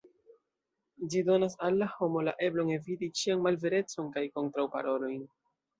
Ĝi donas al la homo la eblon eviti ĉian malverecon kaj kontraŭparolojn.